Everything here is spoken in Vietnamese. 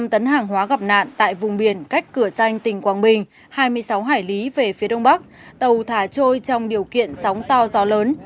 tấn hàng hóa gặp nạn tại vùng biển cách cửa danh tỉnh quảng bình hai mươi sáu hải lý về phía đông bắc tàu thả trôi trong điều kiện sóng to gió lớn